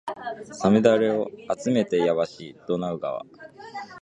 五月雨をあつめてやばしドナウ川